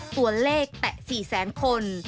ตัวเลขแต่สี่แสนคน